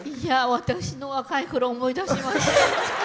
私の若いころを思い出しました。